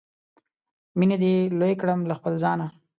مینې دې لوی کړم له خپله ځانه